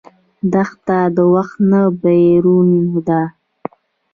دښته د وخت نه بېرون ده.